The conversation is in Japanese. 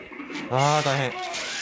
あー大変。